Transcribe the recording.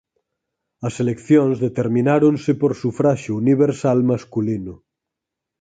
As eleccións determináronse por sufraxio universal masculino.